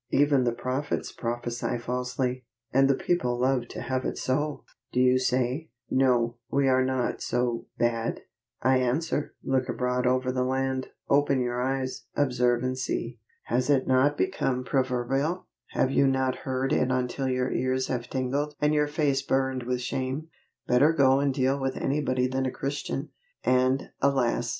Even the prophets prophesy falsely, and the people love to have it so! Do you say, "No, we are not so bad?" I answer, look abroad over the land, open your eyes, observe and see. Has it not become proverbial have you not heard it until your ears have tingled, and your face burned with shame "Better go and deal with anybody than a Christian"? and, alas!